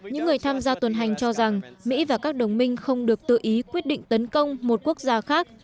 những người tham gia tuần hành cho rằng mỹ và các đồng minh không được tự ý quyết định tấn công một quốc gia khác